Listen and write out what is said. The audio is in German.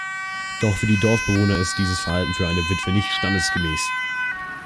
Doch für die Dorfbewohner ist dieses Verhalten für eine Witwe nicht standesgemäß.